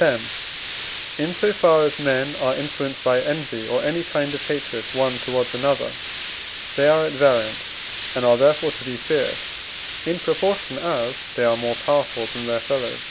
X. In so far as men are influenced by envy or any kind of hatred, one towards another, they are at variance, and are therefore to be feared in proportion, as they are more powerful than their fellows.